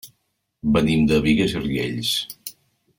Venim de Bigues i Riells.